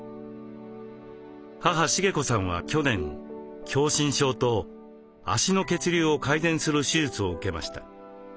母・茂子さんは去年狭心症と脚の血流を改善する手術を受けました。